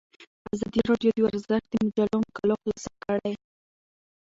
ازادي راډیو د ورزش په اړه د مجلو مقالو خلاصه کړې.